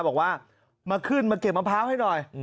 บอกว่ามาขึ้นมาเก็บมะพร้าวให้หน่อย